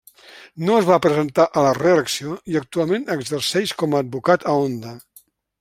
No es va presentar a la reelecció i actualment exerceix com a advocat a Onda.